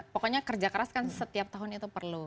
pokoknya kerja keras kan setiap tahun itu perlu